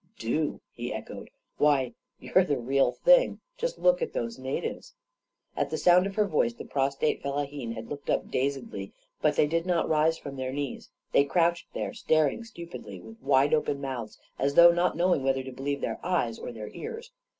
"Do!" he echoed. "Why, you're the real thing ! Just look at those natives 1 " At the sound of her voice, the prostrate fellahin had looked up dazedly; but they did not rise from their knees. They crouched there, staring stupidly, with wide open mouths, as though not knowing whether to believe their eyes or their ears.